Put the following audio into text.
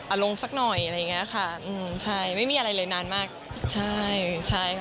ลงสักหน่อยอะไรอย่างเงี้ยค่ะอืมใช่ไม่มีอะไรเลยนานมากใช่ใช่ค่ะ